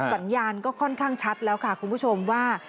สัญญาณก็ค่อนข้างชัดแล้วค่ะคุณผู้ชมว่า